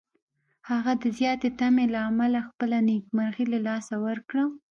هغه د زیاتې تمې له امله خپله مرغۍ له لاسه ورکړه.